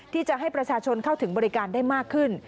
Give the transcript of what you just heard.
ที่จะให้ประชาชนเข้าถึงบริการได้มากขึ้น